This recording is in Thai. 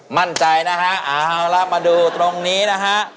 มั่นใจนะฮะเอาละมาดูตรงนี้นะฮะ